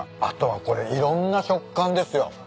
あとはこれいろんな食感ですよ。